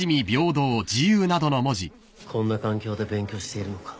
こんな環境で勉強しているのか。